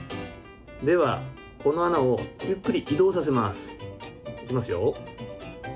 では、この穴をゆっくり移動させます。